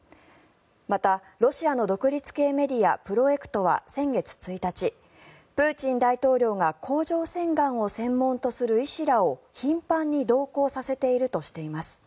また、ロシアの独立系メディアプロエクトは先月１日プーチン大統領が甲状腺がんを専門とする医師らを頻繁に同行させているとしています。